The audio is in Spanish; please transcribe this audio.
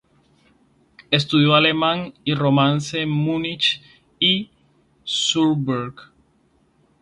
Estudió alemán y romance en Múnich y Würzburg.